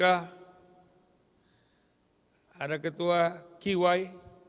ada ketua ky